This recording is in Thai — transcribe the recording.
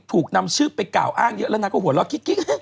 ถูกนำชื่อไปกล่าวอ้างเยอะแล้วนางก็หัวเราะกิ๊ก